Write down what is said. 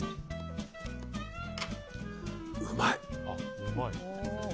うまい！